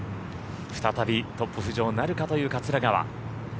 再びトップ浮上なるかという桂川。